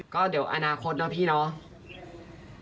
ก็เดี๋ยวอนาคตเนาะพี่เนาะ